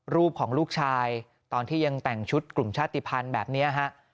รูปของลูกชายตอนที่ยังแต่งชุดกลุ่มชาติภัณฑ์แบบนี้ฮะ